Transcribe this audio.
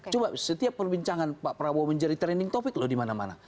coba setiap perbincangan pak prabowo menjadi trending topic loh di mana mana